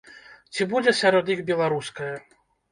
Ці будзе сярод іх беларуская?